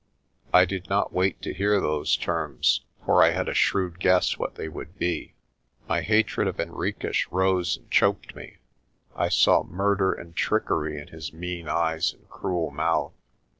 I did not wait to hear those terms, for I had a shrewd guess what they would be. My hatred of Henriques rose 156 PRESTER JOHN and choked me. I saw murder and trickery in his mean eyes and cruel mouth.